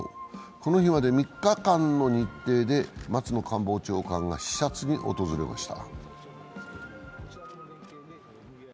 この日まで３日間の日程で松野官房長官が視察に訪れました。